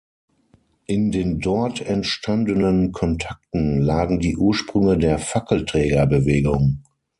In den dort entstandenen Kontakten lagen die Ursprünge der Fackelträger-Bewegung.